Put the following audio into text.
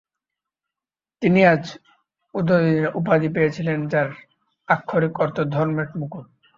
তিনি 'তাজ-উদ-দ্বীন' উপাধি পেয়েছিলেন যার আক্ষরিক অর্থ 'ধর্মের মুকুট'।